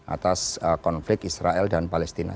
atas konflik israel dan palestina